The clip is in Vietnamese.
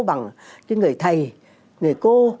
bằng cái người thầy người cô